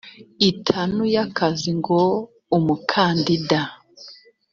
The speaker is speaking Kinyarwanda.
itanu y akazi ngo umukandida